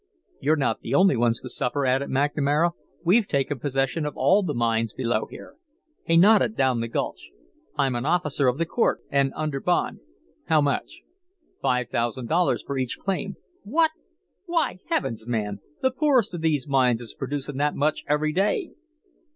"You're not the only ones to suffer," added McNamara. "We've taken possession of all the mines below here." He nodded down the gulch. "I'm an officer of the court and under bond " "How much?" "Five thousand dollars for each claim." "What! Why, heavens, man, the poorest of these mines is producing that much every day!"